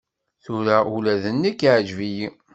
Tura ula d nekk iɛǧeb-iyi.